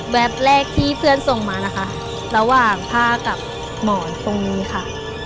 แรกที่เพื่อนส่งมานะคะระหว่างผ้ากับหมอนตรงนี้ค่ะ